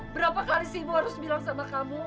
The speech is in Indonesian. berapa kali sih ibu harus bilang sama kamu